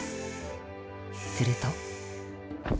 すると。